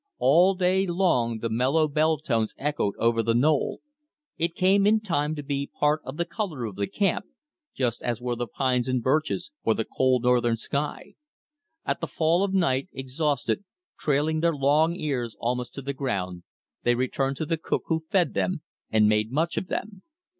All day long the mellow bell tones echoed over the knoll. It came in time to be part of the color of the camp, just as were the pines and birches, or the cold northern sky. At the fall of night, exhausted, trailing their long ears almost to the ground, they returned to the cook, who fed them and made much of them.